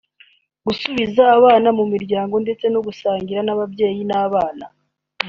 gusubiza abana mu miryango ndetse no gusangira kw’ababyeyi n’abana